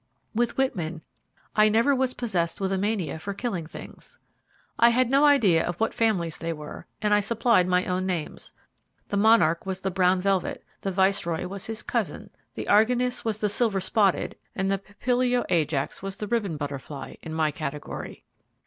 With Whitman, "I never was possessed with a mania for killing things." I had no idea of what families they were, and I supplied my own names. The Monarch was the Brown Velvet; the Viceroy was his Cousin; the Argynnis was the Silver Spotted; and the Papilio Ajax was the Ribbon butterfly, in my category.